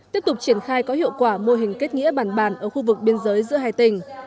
tiếp tục triển khai có hiệu quả mô hình kết nghĩa bản bản ở khu vực biên giới giữa hai tỉnh